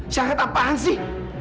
syarat apaan sih